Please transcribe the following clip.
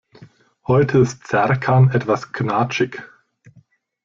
Heute ist Serkan etwas knatschig.